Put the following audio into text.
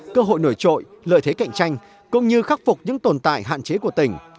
cơ hội nổi trội lợi thế cạnh tranh cũng như khắc phục những tồn tại hạn chế của tỉnh